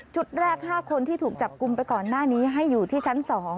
แรก๕คนที่ถูกจับกลุ่มไปก่อนหน้านี้ให้อยู่ที่ชั้น๒